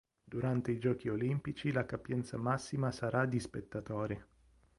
Durante i giochi olimpici la capienza massima sarà di spettatori.